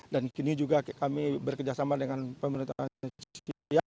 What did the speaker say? dan kini juga kami bekerjasama dengan pemerintah indonesia